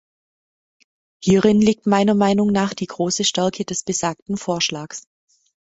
Hierin liegt meiner Meinung nach die große Stärke des besagten Vorschlags.